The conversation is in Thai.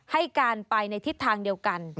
ให้การไปในทิศทางเดียวกัน